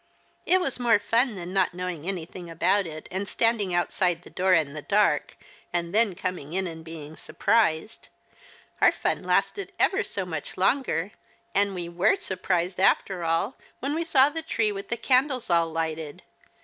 It was more fun than not knowing anything about it, and standing outside the door in the dark, and then coming in and being surprised. Our fun lasted ever so much longer, and we were surprised after all when we saw the tree with the candles all lighted.